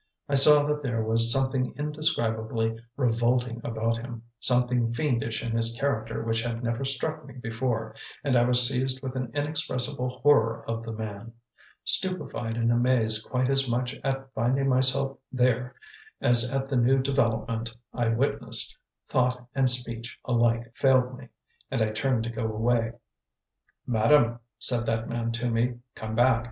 I saw that there was something indescribably revolting about him, something fiendish in his character which had never struck me before, and I was seized with an inexpressible horror of the man. Stupefied and amazed quite as much at finding myself there as at the new development I witnessed, thought and speech alike failed me, and I turned to go away. "Madam," said that man to me, "come back.